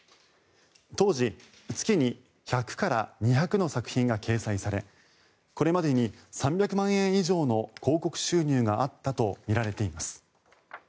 当時、月に１００から２００の作品が掲載されこれまでに３００万円以上の広告収入があったとみられています。